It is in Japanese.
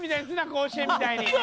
甲子園みたいに。